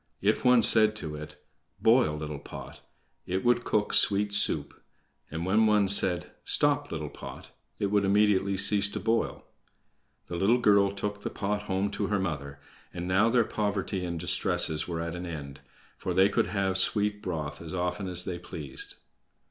If one said to it, "Boil, little pot!" it would cook sweet soup; and when one said: "Stop, little pot!" it would immediately cease to boil. The little girl took the pot home to her mother, and now their poverty and distresses were at an end, for they could have sweet broth as often as they pleased.